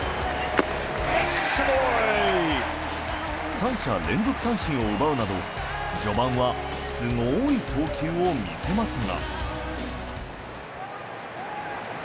３者連続三振を奪うなど序盤はスゴーイ投球を見せますが。